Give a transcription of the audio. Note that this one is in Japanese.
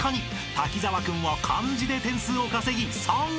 ［滝沢君は漢字で点数を稼ぎ３位］